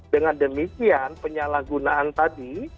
dengan demikian penyalahgunaan tadi